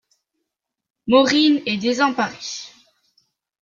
Maureen est désemparée.